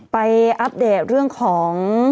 อัปเดตเรื่องของ